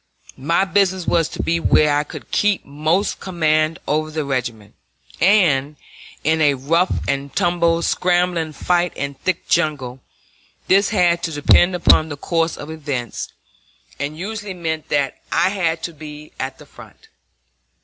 My business was to be where I could keep most command over the regiment, and, in a rough and tumble, scrambling fight in thick jungle, this had to depend upon the course of events, and usually meant that I had to be at the front.